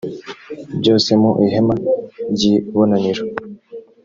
byose mu ihema ry ibonaniro